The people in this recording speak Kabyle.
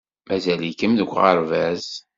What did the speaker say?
Mazal-iken deg uɣerbaz.